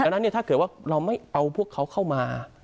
นะนี่ถ้าเกิดเราไม่เอาพวกเขาเข้ามา